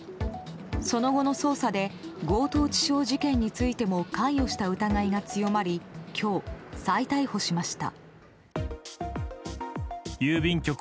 その後の捜査で強盗致傷事件についても関与した疑いが強まり今日、再逮捕しました。